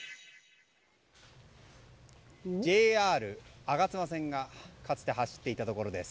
ＪＲ吾妻線がかつて走っていたところです。